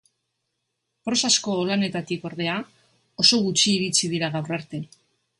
Prosazko lanetatik, ordea, oso gutxi iritsi dira gaur arte.